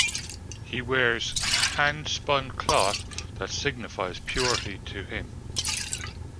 He wears hand spun cloth that signifies purity to him.